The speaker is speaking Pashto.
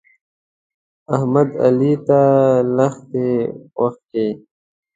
احمد؛ علي ته لښتې وکښې.